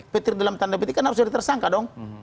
petir dalam tanda petikan harusnya tersangka dong